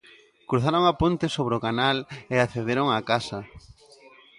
Cruzaron a ponte sobre o canal e accederon á casa.